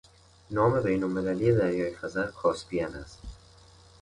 نام بینالمللی دریای خزر، کاسپین است